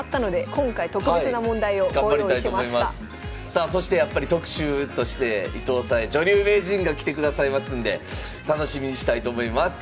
さあそしてやっぱり特集として伊藤沙恵女流名人が来てくださいますんで楽しみにしたいと思います。